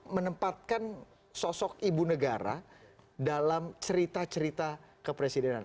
menempatkan sosok ibu negara dalam cerita cerita kepresidenan